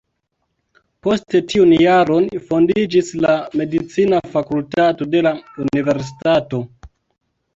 Poste tiun jaron fondiĝis la medicina fakultato de la universitato.